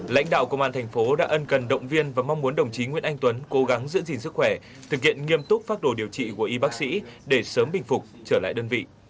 lãnh đạo công an thành phố đã ân cần động viên và mong muốn đồng chí nguyễn anh tuấn cố gắng giữ gìn sức khỏe thực hiện nghiêm túc phác đồ điều trị của y bác sĩ để sớm bình phục trở lại đơn vị